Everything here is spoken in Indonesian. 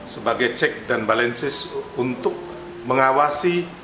sebagai cek dan balenses untuk mengawasi